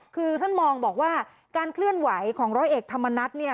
คือท่านมองบอกว่าการเคลื่อนไหวของร้อยเอกธรรมนัฐเนี่ย